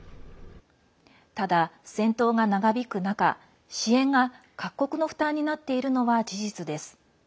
ただ、戦闘が長引く中支援が各国の負担になっているのは事実です。